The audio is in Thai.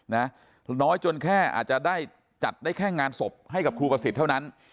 น้อยจนแค่อาจจะได้จัดได้แค่งานศพให้กับครูประสิทธิ์เท่านั้น